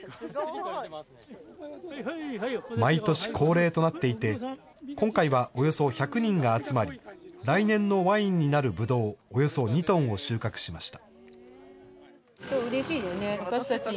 毎年恒例となっていて、今回はおよそ１００人が集まり、来年のワインになるブドウおよそ２トンを収穫しました。